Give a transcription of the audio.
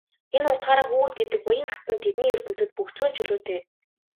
Энэ утгаараа хүүхэд гэдэг уян хатан тэдний ертөнцөд бүх зүйл чөлөөтэй.